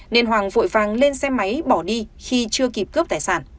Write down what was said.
nên hoàng vội vàng lên xe máy bỏ đi khi chưa kịp cướp tài sản